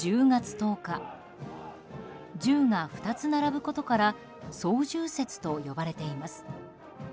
１０が２つ並ぶことから双十節と呼ばれています。